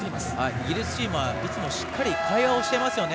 イギリスチームはしっかり会話をしてますよね。